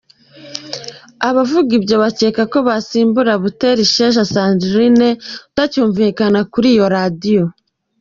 Abavuga ibyo bakeka ko yasimbura Butera Isheja Sandrine utacyumvikana kuri iyo radio.